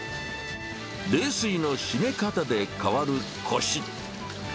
冷水の締め方で変わるこし。